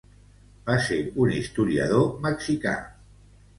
Va ser un historiador mexicà.